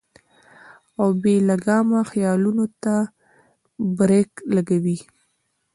او بې لګامه خيالونو ته برېک لګوي -